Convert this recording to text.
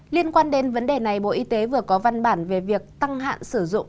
liên quan đến vấn đề này bộ y tế vừa có văn bản về việc tăng hạn sử dụng